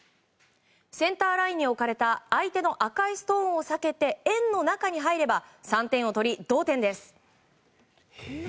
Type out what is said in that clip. センターラインに置かれた相手の赤いストーンを避けて円の中へ入れば３点を取り同点です。